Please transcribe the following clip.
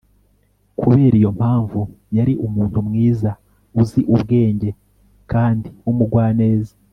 kubera iyo mpamvu, yari umuntu mwiza, uzi ubwenge kandi w'umugwaneza